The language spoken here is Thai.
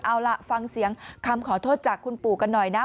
เอาล่ะฟังเสียงคำขอโทษจากคุณปู่กันหน่อยนะ